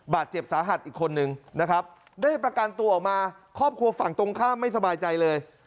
บาดเจ็บสาหัสอีกคนนึงนะครับได้ประกันตัวออกมาครอบครัวฝั่งตรงข้ามไม่สบายใจเลย